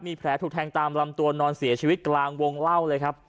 มีแผลถูกแทงตามลำตัวนอนเสียชีวิตกลางวงเล่าเลยครับ